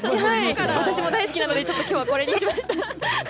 私も大好きなので今日はこれにしました！